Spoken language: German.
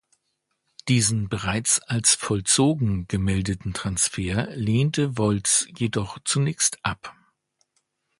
Diesen bereits als vollzogen gemeldeten Transfer lehnte Volz jedoch zunächst ab.